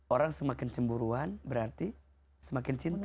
orang semakin cemburuan berarti semakin cinta